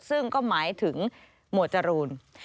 ซึ่งก็หมายถึงหมวดจรูน